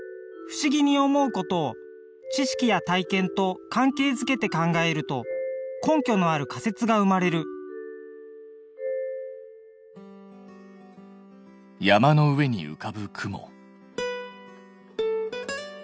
不思議に思うことを知識や体験と関係づけて考えると根拠のある仮説が生まれる山の上にうかぶ雲。